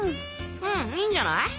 うんいいんじゃない？